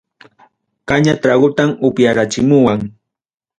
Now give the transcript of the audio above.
Caña tragotam upiarachimuwan